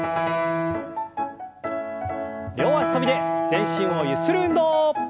両脚跳びで全身をゆする運動。